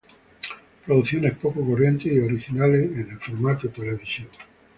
Producciones poco corrientes y originales en el formato televisivo.